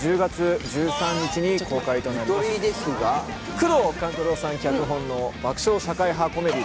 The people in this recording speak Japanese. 宮藤官九郎さん脚本の爆笑社会派コメディーです。